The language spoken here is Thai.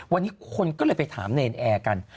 วันนี้คนก็เลยไปถามเนรนแอร์กัน